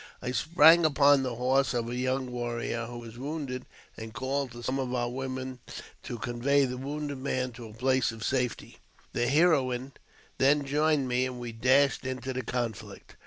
I sprang upon the horse of a young warrior who was wounded, and called to some of our women to convey the wounded man to a place of safety ; the heroine then joined me, and we dashed into the conflict.